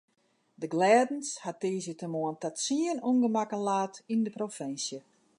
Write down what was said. De glêdens hat tiissdeitemoarn ta tsien ûngemakken laat yn de provinsje.